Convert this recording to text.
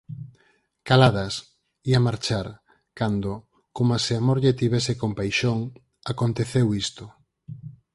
caladas, ía marchar, cando, coma se Amor lle tivese compaixón, aconteceu isto: